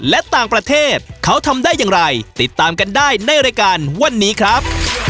และต่างประเทศเขาทำได้อย่างไรติดตามกันได้ในรายการวันนี้ครับ